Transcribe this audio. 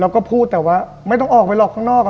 แล้วก็พูดแต่ว่าไม่ต้องออกไปหรอกข้างนอก